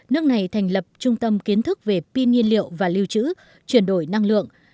nước này thành lập trung tâm kiến thức về pin nhiên liệu và lưu trữ chuyển đổi năng lượng